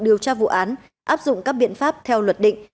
điều tra vụ án áp dụng các biện pháp theo luật định